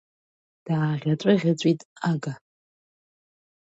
Дааӷьаҵәы-ӷьаҵәит ага.